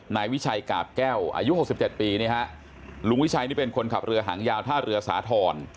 นายวิชัยกาบแก้วอายุ๖๗ปีนี่ฮะลุงวิชัยนี่เป็นคนขับเรือหางยาวท่าเรือสาธรณ์